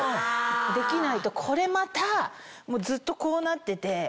できないとこれまたずっとこうなってて。